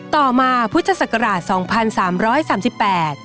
ต่อมาพุทธศักราช๒๓๓๘